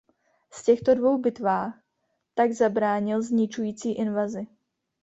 V těchto dvou bitvách tak zabránil zničující invazi.